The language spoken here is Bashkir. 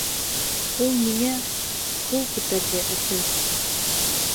Ул миңә... ҡул күтәрҙе, әсәй!